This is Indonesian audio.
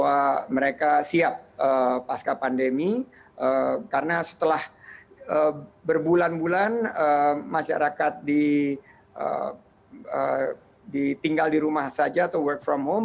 bahwa mereka siap pasca pandemi karena setelah berbulan bulan masyarakat tinggal di rumah saja atau work from home